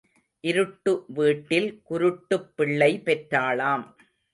இருட்டு வீட்டில் குருட்டுப் பிள்ளை பெற்றாளாம்.